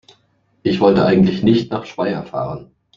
Ich wollte eigentlich nicht nach Speyer fahren